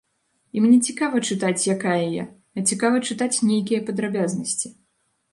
Ім не цікава чытаць, якая я, а цікава чытаць нейкія падрабязнасці.